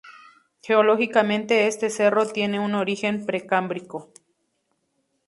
Geológicamente este cerro tiene un origen precámbrico.